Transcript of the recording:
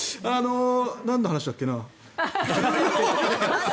なんの話だっけな。